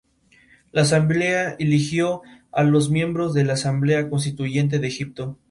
La Asamblea eligió a los miembros de la Asamblea Constituyente de Egipto.